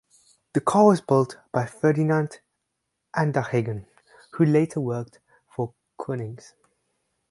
The car was built by Ferdinant Anderheggen, who later worked for Konings.